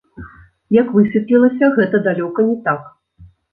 Як высветлілася, гэта далёка не так.